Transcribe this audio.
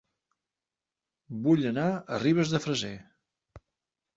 Vull anar a Ribes de Freser